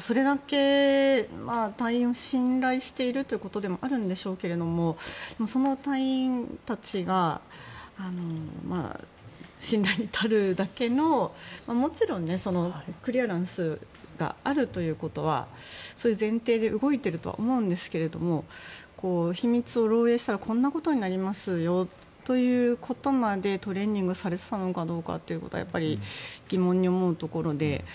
それだけ隊員を信頼しているということでもあるんでしょうけどその隊員たちが信頼に足るだけのもちろんクリアランスがあるということはそういう前提で動いているとは思うんですけれども秘密を漏洩したら、こんなことになりますよということまでトレーニングされてたかどうかはやっぱり疑問に思うところで。